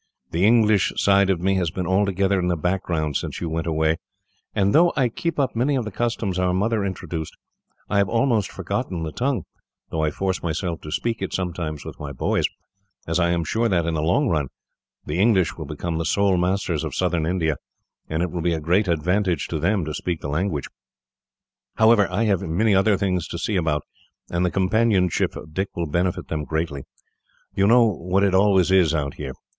The English side of me has been altogether in the background, since you went away; and though I keep up many of the customs our mother introduced, I have almost forgotten the tongue, though I force myself to speak it, sometimes, with my boys, as I am sure that, in the long run, the English will become the sole masters of southern India, and it will be a great advantage to them to speak the language. "However, I have many other things to see about, and the companionship of Dick will benefit them greatly. You know what it always is out here.